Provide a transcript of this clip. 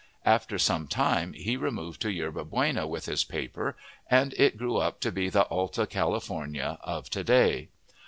After some time he removed to Yerba Buena with his paper, and it grew up to be the Alta California of today.